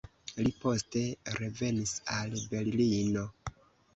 Li poste revenis al Berlino.